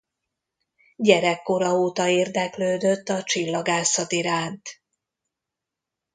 Gyerekkora óta érdeklődött a csillagászat iránt.